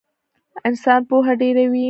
انسان پوهه ډېروي